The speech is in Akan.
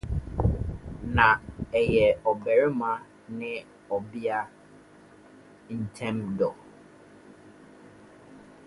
Na ɛyɛ ɔbarima ne ɔbea ntam dɔ.